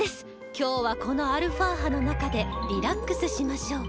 今日はこのアルファ波の中でリラックスしましょう。